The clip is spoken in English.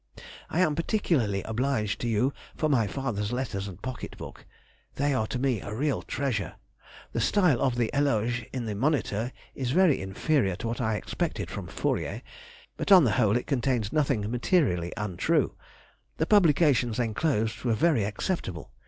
I am particularly obliged to you for my father's letters and pocket book—they are to me a real treasure. The style of the Éloge in the Moniteur is very inferior to what I expected from Fourier; but on the whole it contains nothing materially untrue. The publications enclosed were very acceptable.